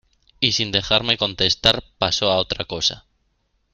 Y sin dejarme contestar pasó a otra cosa.